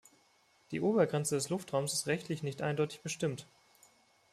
Die Obergrenze des Luftraums ist rechtlich nicht eindeutig bestimmt.